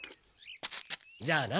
じゃあな。